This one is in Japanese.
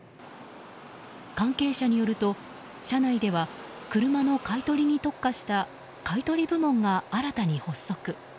関係者によると社内では車の買い取りに特化した買い取り部門が新たに発足。